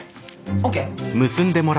ＯＫ？